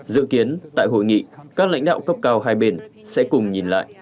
dự kiến tại hội nghị các lãnh đạo cấp cao hai bên sẽ cùng nhìn lại